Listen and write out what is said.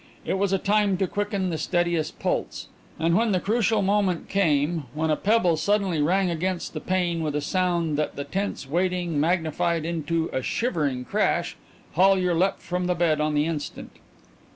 It was a time to quicken the steadiest pulse, and when the crucial moment came, when a pebble suddenly rang against the pane with a sound that the tense waiting magnified into a shivering crash, Hollyer leapt from the bed on the instant.